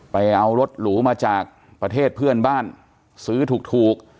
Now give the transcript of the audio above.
ไปเอารถหรูมาจากประเทศเพื่อนบ้านซื้อถูก